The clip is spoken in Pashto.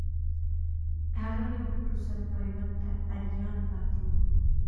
هغه له بوټو سره پیوند ته آریان پاتې وو.